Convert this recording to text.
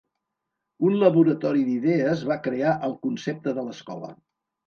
Un laboratori d'idees va crear el concepte de l'escola.